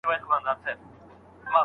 آیا کیبورد تر قلم ژر لیکل کوي؟